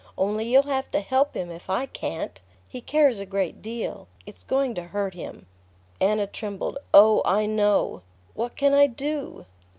Only you'll have to help him if I can't. He cares a great deal ... it's going to hurt him..." Anna trembled. "Oh, I know! What can I do?"